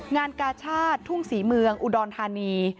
งานกาชาติทุ่งศรีเมืองอุดรธานี